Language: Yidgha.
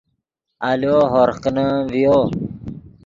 آلو ہورغ کینیم ڤیو